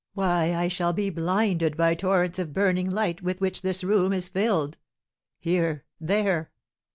Why, I shall be blinded by torrents of burning light, with which this room is filled. Here! There!